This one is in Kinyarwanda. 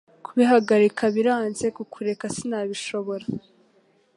Kubihagarika biranze, Kukureka Sinabishobora